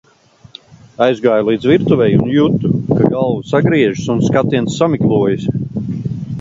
Aizgāju līdz virtuvei un jutu, ka galva sagriežas un skatiens samiglojas.